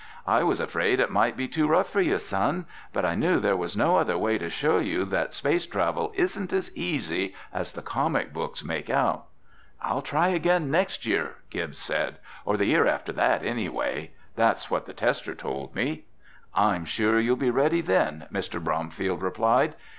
"I was afraid it might be too rough for you, son, but I knew there was no other way to show you that space travel isn't as easy as the comic books make out." "I'll try again next year," Gib said, "or the year after that, anyway. That's what the tester told me." "I'm sure you'll be ready then," Mr. Bromfield replied.